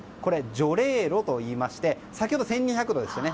除冷炉といいまして先ほど１２００度でしたよね。